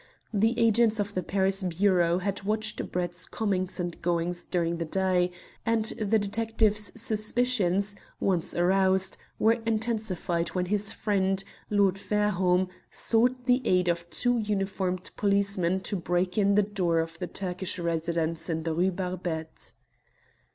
The agents of the Paris Bureau had watched Brett's comings and goings during the day, and the detectives' suspicions, once aroused, were intensified when his friend, Lord Fairholme, sought the aid of two uniformed policemen to break in the door of the Turkish residents in the Rue Barbette.